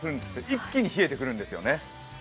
一気に冷えてくるんですね。